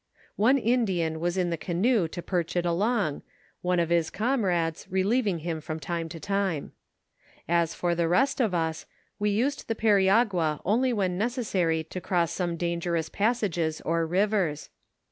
One Indian was in the canoe to perch it along, one of his com* DIBOOVERIES W THE MISSISSIPPI VALLEY. 221 radea relieving him from time to time. As for the rest of us, we used the periagua only when necessary to cross some dan gerous passages or rivers.